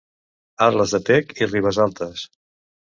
Arles de Tec i Ribesaltes.